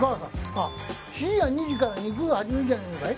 あっ深夜２時から肉を始めるんじゃないのかい？